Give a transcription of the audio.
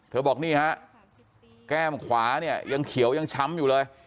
บอกนี่ฮะแก้มขวาเนี่ยยังเขียวยังช้ำอยู่เลย